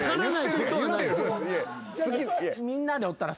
みんなでおったら。